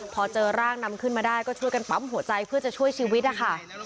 พอเจอร่างนำขึ้นมาได้ก็ช่วยกันปั๊มหัวใจเพื่อจะช่วยชีวิตนะคะ